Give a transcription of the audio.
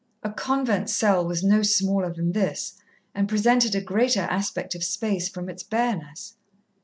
A convent cell was no smaller than this, and presented a greater aspect of space from its bareness.